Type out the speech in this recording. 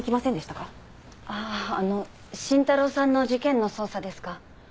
ああ伸太郎さんの事件の捜査ですか？